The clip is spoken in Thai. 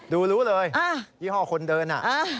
รู้เลยยี่ห้อคนเดินน่ะ